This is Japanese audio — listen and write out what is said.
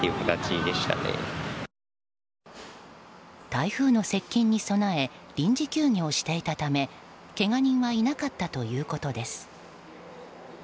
台風の接近に備え臨時休業していたためけが人はいなかったということです。